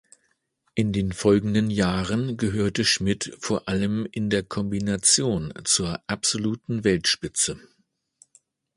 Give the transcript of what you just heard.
In den folgenden Jahren gehörte Schmid vor allem in der Kombination zur absoluten Weltspitze.